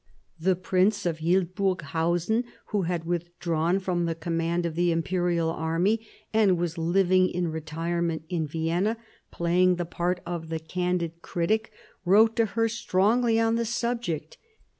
The Prince of Hildburghausen, who had withdrawn from the command of the Imperial army and was living in retirement in Vienna, playing the part of the candid critic, wrote to her strongly on the subject.